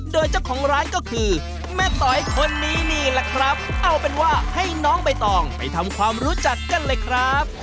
โดยเจ้าของร้านก็คือแม่ต๋อยคนนี้นี่แหละครับเอาเป็นว่าให้น้องใบตองไปทำความรู้จักกันเลยครับ